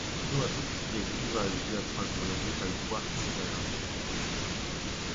"Była to gniewliwa lwia twarz wojownika i władcy zarazem."